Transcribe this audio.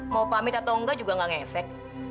mau pamit atau enggak juga gak ngefek